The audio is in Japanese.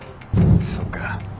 そうか。